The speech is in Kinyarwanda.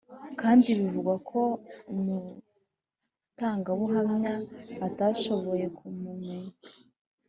kandi bivugwa ko umutangabuhamya atashoboye kumumenya